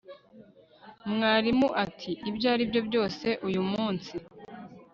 Mwarimu ati Ibyo aribyo byose uyu munsi